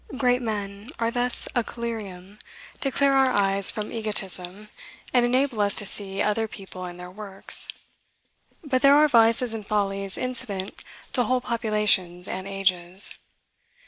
Great men are thus a collyrium to clear our eyes from egotism, and enable us to see other people and their works. But there are vices and follies incident to whole populations and ages.